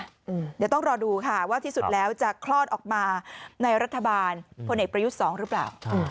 เดี๋ยวต้องรอดูค่ะว่าที่สุดแล้วจะคลอดออกมาในรัฐบาลพลเอกประยุทธ์๒หรือเปล่า